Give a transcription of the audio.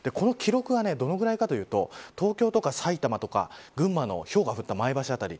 この記録がどのくらいかというと東京とか埼玉とか群馬とかひょうが降った前橋辺り